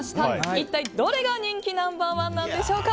一体どれが人気ナンバー１なんでしょうか。